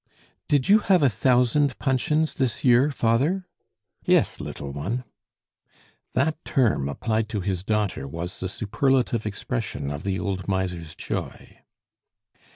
"Did you have a thousand puncheons this year, father?" "Yes, little one." That term applied to his daughter was the superlative expression of the old miser's joy.